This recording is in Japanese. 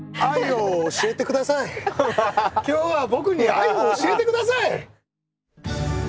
今日は僕に愛を教えてください！